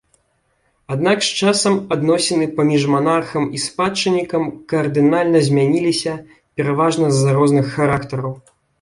Аднак з часам адносіны паміж манархам і спадчыннікам кардынальна змяніліся пераважна з-за розных характараў.